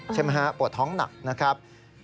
ใช่ไหมฮะปวดท้องหนักนะครับ